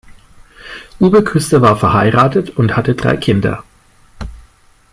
Uwe Küster war verheiratet und hatte drei Kinder.